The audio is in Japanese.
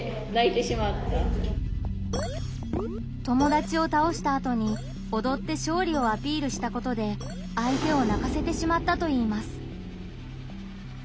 友達を倒したあとにおどって勝利をアピールしたことで相手を泣かせてしまったといいます。